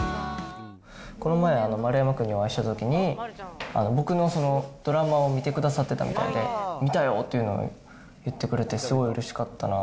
この前、丸山君にお会いしたときに、僕のドラマを見てくださってたみたいで、見たよっていうのを言ってくれて、すごいうれしかったな。